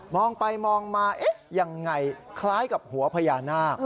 ไปมองมายังไงคล้ายกับหัวพญานาค